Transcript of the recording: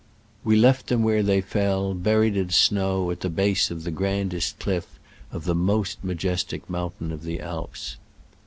We left them where they fell, buried in snow at the base of the grand est cliff of the most majestic moun tain of the Alps.